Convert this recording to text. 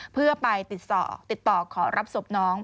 เพื่อไปติดต่อขอรับศพน้อง